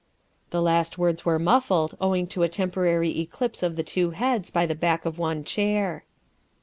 The last words were muffled, owing to a temporary eclipse of two heads by the back of one chair.